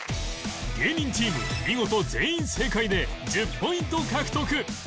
芸人チーム見事全員正解で１０ポイント獲得